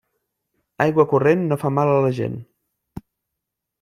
Aigua corrent no fa mal a la gent.